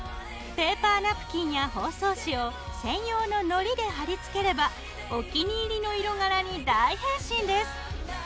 ペーパーナプキンや包装紙を専用ののりで貼り付ければお気に入りの色柄に大変身です。